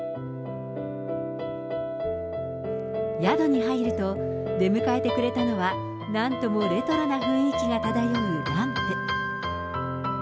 宿に入ると、出迎えてくれたのは、なんともレトロな雰囲気が漂うランプ。